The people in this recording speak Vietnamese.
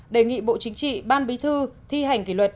đề nghị bộ chính trị ban bí thư thi hành kỷ luật